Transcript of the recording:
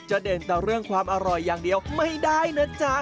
เด่นแต่เรื่องความอร่อยอย่างเดียวไม่ได้นะจ๊ะ